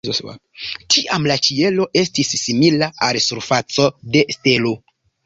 Tiam la ĉielo estis simila al surfaco de stelo.